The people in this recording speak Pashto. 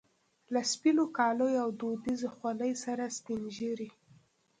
له سپینو کاليو او دودیزې خولۍ سره سپینږیری.